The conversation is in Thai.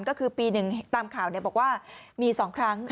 ก็คือปีหนึ่งตามข่าวบอกว่ามี๒ครั้ง